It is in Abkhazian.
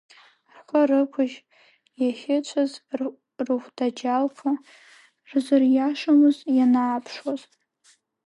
Рхы рықәжь иахьыцәаз, рыхәдаџьалқәа рзыриашомызт ианааԥшуаз.